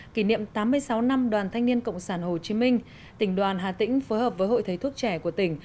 kỷ niệm tám mươi sáu năm đoàn thanh niên cộng sản hồ chí minh tỉnh đoàn hà tĩnh phối hợp với hội thầy thuốc trẻ của tỉnh